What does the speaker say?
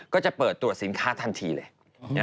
ก็จะเปิดตรวจสินค้าทันทีเลย